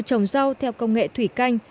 trồng rau theo công nghệ thủy canh